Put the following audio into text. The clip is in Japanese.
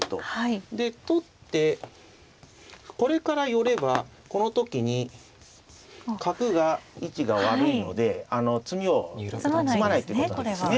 で取ってこれから寄ればこの時に角が位置が悪いので詰まないってことなんですね。